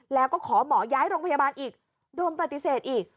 แล้วก็ขอหมอย้ายโรงพยาบาลอีกโดนปฏิเสธอีก